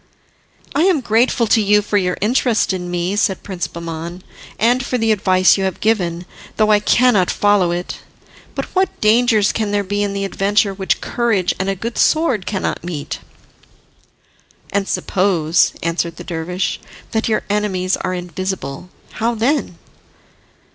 "I am grateful to you for your interest in me," said Prince Bahman, "and for the advice you have given, though I cannot follow it. But what dangers can there be in the adventure which courage and a good sword cannot meet?" "And suppose," answered the dervish, "that your enemies are invisible, how then?"